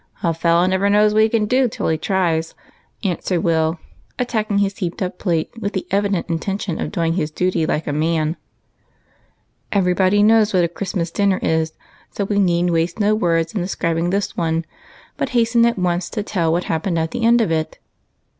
"A fellow never knows what he can do till he tries," UNDER THE MISTLETOE. 231 answered Will, attacking liis heaped up plate with the evident intention of doing his duty like a man. Everybody knows what a Christmas dinner is, so we need waste no words in describing this one, but hasten at once to tell what happened at the end of it.